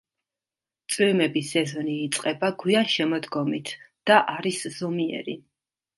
წვიმების სეზონი იწყება გვიან შემოდგომით და არის ზომიერი.